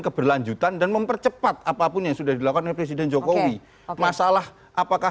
keberlanjutan dan mempercepat apapun yang sudah dilakukan oleh presiden jokowi masalah apakah